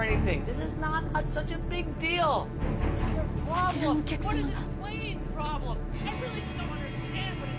あちらのお客様が。